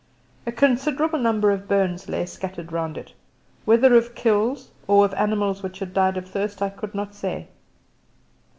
A considerable number of bones lay scattered round it, whether of "kills" or of animals which had died of thirst I could not say.